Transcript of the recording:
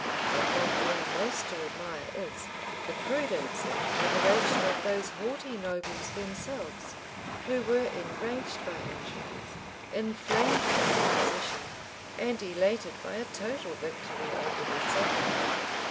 But what we are most to admire is, the prudence and moderation of those haughty nobles themselves, who were enraged by injuries, inflamed by opposition, and elated by a total victory over their sovereign.